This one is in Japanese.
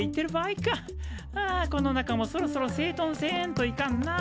あこの中もそろそろせいとんせんといかんな。